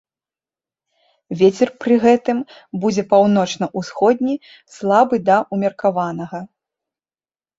Вецер пры гэтым будзе паўночна-ўсходні, слабы да ўмеркаванага.